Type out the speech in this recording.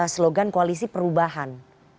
slogan koalisi perubahan